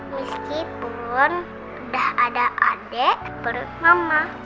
meskipun udah ada adek berut mama